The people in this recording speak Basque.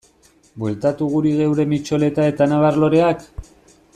Bueltatu guri geure mitxoleta eta nabar-loreak?